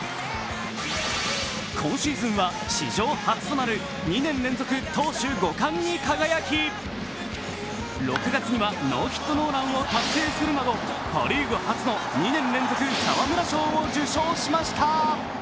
今シーズンは史上初となる２年連続投手５冠に輝き６月にはノーヒットノーランを達成するなど、パ・リーグ初の２年連続沢村賞を受賞しました。